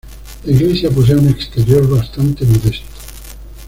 La iglesia posee un exterior bastante modesto.